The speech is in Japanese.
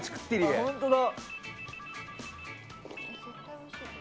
本当だ。